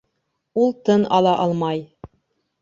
Ул тын ала алмай